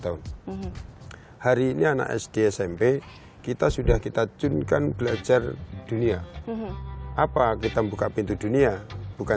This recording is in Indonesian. tahun hari ini anak sd smp kita sudah kita junkan belajar dunia apa kita buka pintu dunia bukan